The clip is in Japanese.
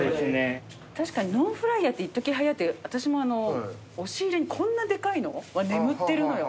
確かにノンフライヤーっていっときはやって私も押し入れにこんなでかいのが眠ってるのよ。